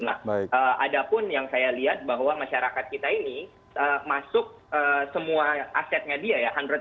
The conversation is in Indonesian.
nah ada pun yang saya lihat bahwa masyarakat kita ini masuk semua asetnya dia ya